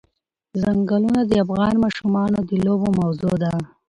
ځنګلونه د افغان ماشومانو د لوبو موضوع ده.